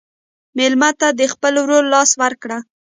مېلمه ته د خپل ورور لاس ورکړه.